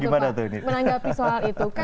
gimana tuh menanggapi soal itu